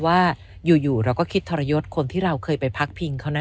ว่าอยู่เราก็คิดทรยศคนที่เราเคยไปพักพิงเขานะ